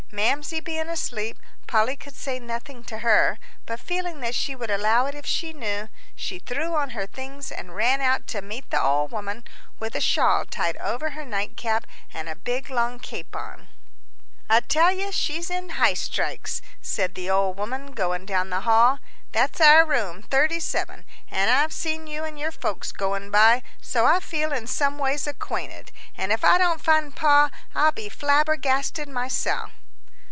Mamsie being asleep, Polly could say nothing to her, but feeling that she would allow it if she knew, she threw on her things and ran out to meet the old woman, with a shawl tied over her nightcap and a big long cape on. "I tell you she's in highstrikes," said the old woman, going down the hall. "That's our room, 37, an' I've seen you an' your folks goin' by, so I feel in some ways acquainted. An' if I don't find Pa, I'll be flabbergasted myself."